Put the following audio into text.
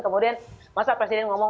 kemudian masa presiden ngomong